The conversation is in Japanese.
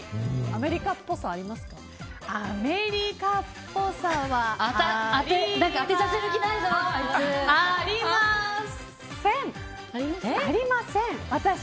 アメリカっぽさはありません。